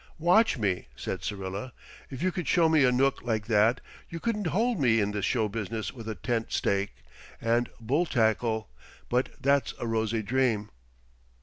"Watch me!" said Syrilla. "If you could show me a nook like that, you couldn't hold me in this show business with a tent stake and bull tackle. But that's a rosy dream!"